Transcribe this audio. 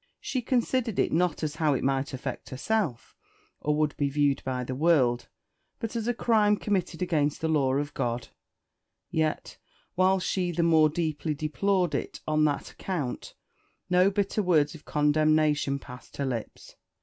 She considered it not as how it might affect herself, or would be viewed by the world, but as a crime committed against the law of God; yet, while she the more deeply deplored it on that account, no bitter words of condemnation passed her lips.